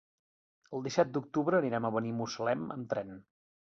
El disset d'octubre anirem a Benimuslem amb tren.